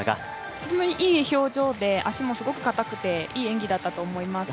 本当にいい表情で脚もすごく高くていい演技だったと思います。